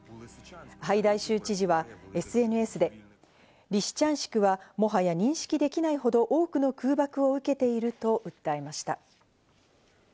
ハイダイ州知事はＳＮＳで、リシチャンシクはもはや認識できないほど多くの空爆を受けていると訴えました。